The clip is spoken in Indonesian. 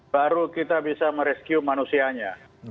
baru kita bisa merescue manusianya